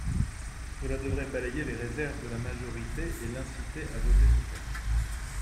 Cela devrait balayer les réserves de la majorité et l’inciter à voter ce texte.